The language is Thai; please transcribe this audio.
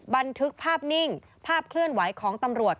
บันทึกภาพนิ่งภาพเคลื่อนไหวของตำรวจ